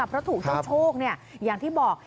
เพราะถูกต้องโชคเนี่ยอย่างที่บอก